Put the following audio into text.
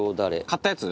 買ったやつ？